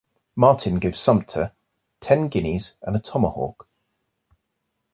Martin gave Sumter ten guineas and a tomahawk.